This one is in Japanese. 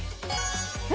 え？